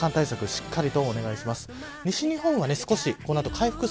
しっかりお願いします。